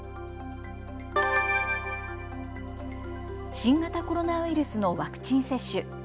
新型コロナウイルスのワクチン接種。